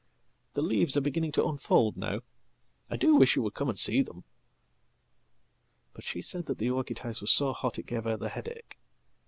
The leaves are beginning tounfold now. I do wish you would come and see them!"But she said that the orchid house was so hot it gave her the headache.